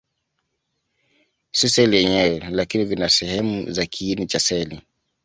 Si seli yenyewe, lakini vina sehemu za kiini cha seli.